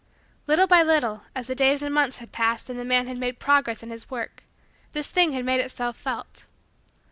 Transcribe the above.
Little by little, as the days and months had passed and the man had made progress in his work, this thing had made itself felt.